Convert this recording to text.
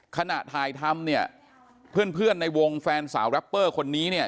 ขณะถ่ายทำเนี่ยเพื่อนเพื่อนในวงแฟนสาวแรปเปอร์คนนี้เนี่ย